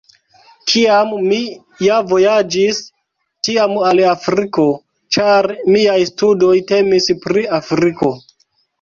Kiam mi ja vojaĝis, tiam al Afriko, ĉar miaj studoj temis pri Afriko.